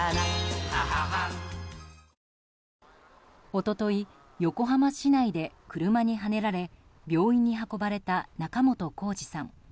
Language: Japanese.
一昨日横浜市内で車にはねられ病院に運ばれた仲本工事さん。